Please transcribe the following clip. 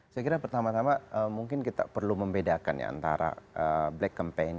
saya kira pertama tama mungkin kita perlu membedakan antara black campaign